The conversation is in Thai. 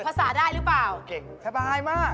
ภาษาได้หรือเปล่า